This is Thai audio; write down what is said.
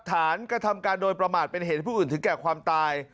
กระทำการโดยประมาทเป็นเหตุให้ผู้อื่นถึงแก่ความตาย